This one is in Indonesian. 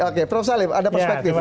oke prof salim ada perspektif